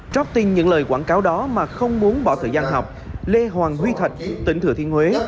trước tin những lời quảng cáo đó mà không muốn bỏ thời gian học lê hoàng huy thạch tỉnh thừa thiên huế